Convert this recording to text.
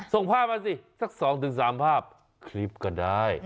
ส่งภาพมาสิสัก๒๓ภาพคลิปก็ได้